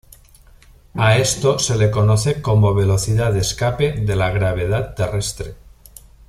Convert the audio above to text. A esto se le conoce como velocidad de escape de la gravedad terrestre.